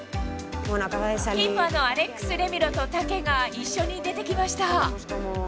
キーパーのアレックス・レミロとタケが一緒に出てきました。